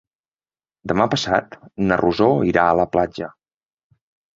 Demà passat na Rosó irà a la platja.